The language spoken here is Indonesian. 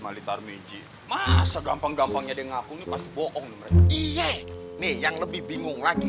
mali tarmidji masa gampang gampangnya dengakungi pas bohong iya nih yang lebih bingung lagi